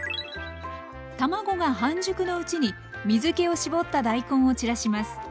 卵が半熟のうちに水けを絞った大根を散らします。